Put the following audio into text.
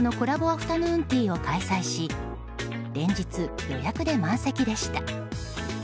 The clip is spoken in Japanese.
アフタヌーンティーを開催し連日、予約で満席でした。